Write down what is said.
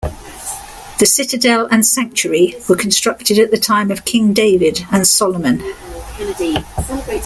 The citadel and sanctuary were constructed at the time of King David and Solomon.